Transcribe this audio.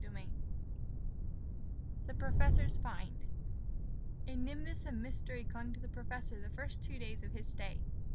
XII THE PROFESSOR'S "FIND" A NIMBUS of mystery clung to the professor the first two days of his stay.